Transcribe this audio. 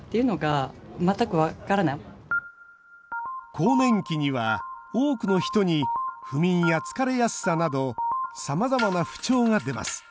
更年期には多くの人に不眠や疲れやすさなどさまざまな不調が出ます。